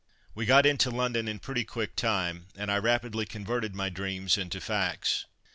We got into London in pretty quick time, and I rapidly converted my dreams into facts.